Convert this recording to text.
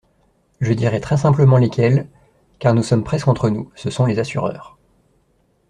Je dirai très simplement lesquels, car nous sommes presque entre nous : ce sont les assureurs.